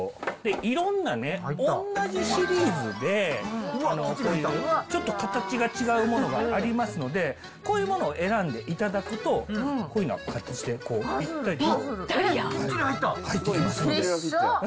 いろんな同じシリーズで、ちょっと形が違うものがありますので、こういうものを選んでいただくと、こういうふうな形でぴったりで。